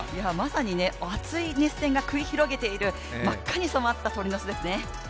まさに熱い熱戦が繰り広げている真っ赤に染まった鳥の巣ですね。